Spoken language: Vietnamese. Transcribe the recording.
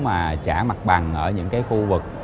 mà trả mặt bằng ở những cái khu vực